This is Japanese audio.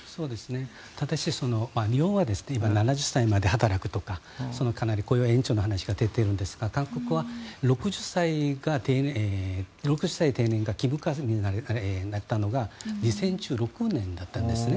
ただし、日本は今、７０歳まで働くとか雇用延長の話が出ているんですが韓国は６０歳で定年が義務化になったのが２０１６年だったんですね。